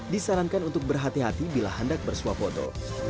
disarankan untuk berhati hati bila hendak bersuap foto